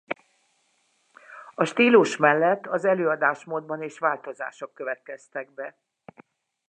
A stílus mellett az előadásmódban is változások következtek be.